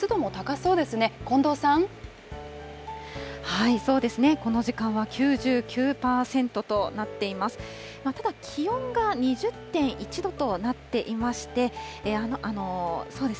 そうですね、この時間は９９％となっています。